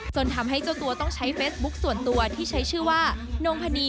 จนทำให้เจ้าตัวต้องใช้เฟซบุ๊คส่วนตัวที่ใช้ชื่อว่านงพนี